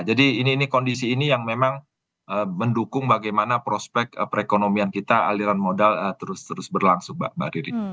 jadi ini kondisi ini yang memang mendukung bagaimana prospek perekonomian kita aliran modal terus berlangsung mbak riri